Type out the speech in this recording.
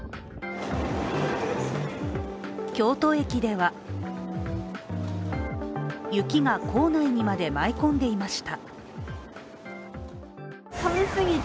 京都駅では雪が構内にまで舞い込んでいました。